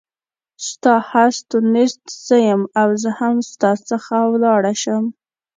ستا هست او نیست زه یم او زه هم ستا څخه ولاړه شم.